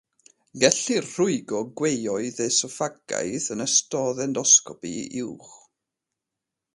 Gellir rhwygo gweoedd esoffagaidd yn ystod endosgopi uwch.